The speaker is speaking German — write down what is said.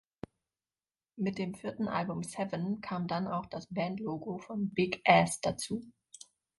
Mit dem vierten Album "Seven" kam dann auch das Bandlogo von „Big Ass“ dazu.